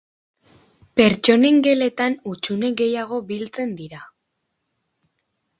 Pertsonen geletan hutsune gehiago biltzen dira.